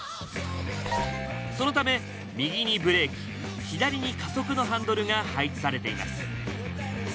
そのため右にブレーキ左に加速のハンドルが配置されています。